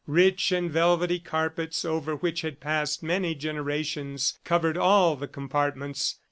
Rich and velvety carpets over which had passed many generations, covered all the compartments.